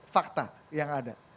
fakta yang ada